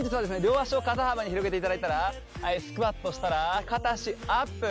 両足を肩幅に広げていただいたらスクワットしたら片足アップ